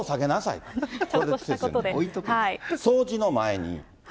掃除の前に。